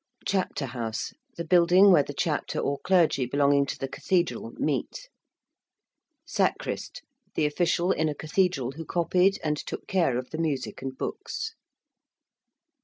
~chapter house~: the building where the chapter or clergy belonging to the cathedral meet. ~Sacrist~: the official in a cathedral who copied and took care of the music and books.